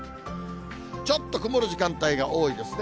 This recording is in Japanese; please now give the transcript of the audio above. ちょっと曇る時間帯が多いですね。